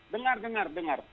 dengar dengar dengar